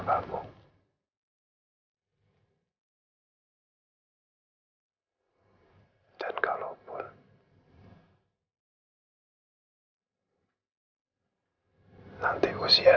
saya selalu berdoa